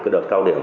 đợt cao điểm